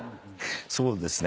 そうですね。